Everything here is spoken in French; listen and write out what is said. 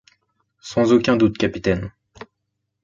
Sans aucun doute, capitaine.